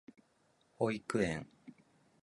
保育園